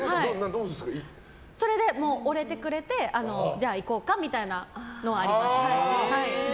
それで折れてくれてじゃあ行こうかみたいなのはありますね。